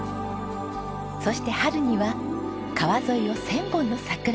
そして春には川沿いを１０００本の桜が彩ります。